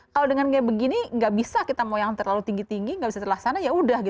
kalau dengan kayak begini nggak bisa kita mau yang terlalu tinggi tinggi gak bisa yaudah